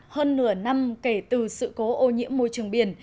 hơn nửa năm kể từ sự cố ô nhiễm môi trường biển